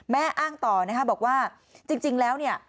อ้างต่อนะคะบอกว่าจริงแล้วเนี่ย